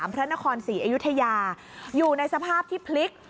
พระนครศรีอยุธยาอยู่ในสภาพที่พลิก